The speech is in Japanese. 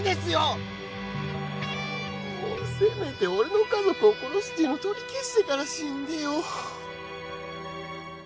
ああもうせめて俺の家族を殺すっていうの取り消してから死んでよ。